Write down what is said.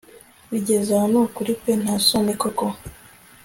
bigezaho nukuri pe ntasoni koko